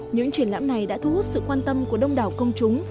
những triển lãm này đã thu hút sự quan tâm của đông đảo công chúng